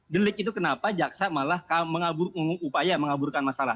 delik itu kenapa jaksa malah mengupaya mengaburkan masalah